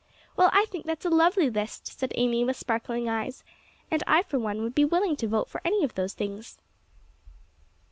"Well, I think that's a lovely list," said Amy, with sparkling eyes, "and I for one would be willing to vote for any of those things."